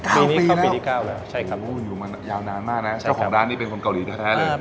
๙ปีแล้วอยู่มายาวนานมากนะของร้านนี้เป็นคนเกาหลีแท้เลย